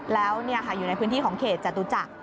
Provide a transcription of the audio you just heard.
แล้วอยู่ในพื้นที่ของเขตจตุจักร